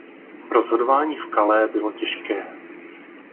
Rozhodování v Calais bylo těžké.